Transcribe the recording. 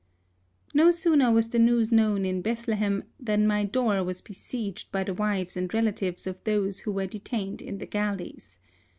No sooner was the news known in Beth lehem than my door was besieged by the wives and relatives of those who were de tained in the galleys.